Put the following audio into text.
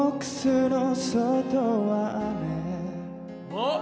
おっ！